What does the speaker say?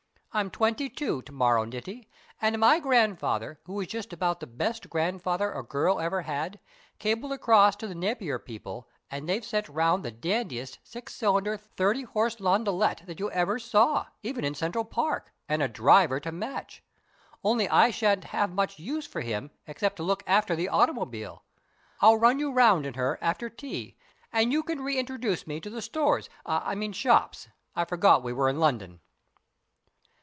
I'm twenty two to morrow, Niti, and my grandfather, who is just about the best grandfather a girl ever had, cabled across to the Napier people, and they've sent round the dandiest six cylinder, thirty horse landaulette that you ever saw, even in Central Park, and a driver to match only I shan't have much use for him, except to look after the automobile. I'll run you round in her after tea, and you can reintroduce me to the stores I mean shops; I forgot we were in London."